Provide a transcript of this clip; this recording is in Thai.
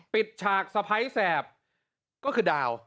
ฉากสะพ้ายแสบก็คือดาว